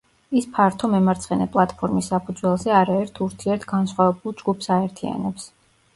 ის ფართო მემარცხენე პლატფორმის საფუძველზე არაერთ ურთიერთგანსხვავებულ ჯგუფს აერთიანებს.